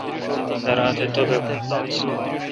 درا تہ توبک ام داںنس